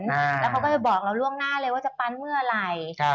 แล้วเขาก็จะบอกเราล่วงหน้าเลยว่าจะปั้นเมื่อไหร่